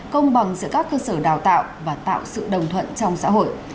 công bằng giữa các cơ sở đào tạo và tạo sự đồng thuận trong xã hội